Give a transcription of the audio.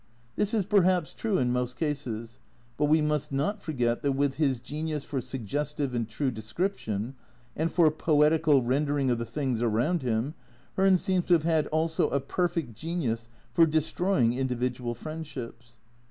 This is perhaps true in most cases, but we must not forget that with his genius for suggestive and true description, and for poetical rendering of the things around him, Hearn seems to have had also a perfect genius for destroying individual friendships.